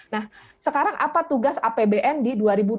nah sekarang apa tugas apbn di dua ribu dua puluh